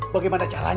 kalian dimana sih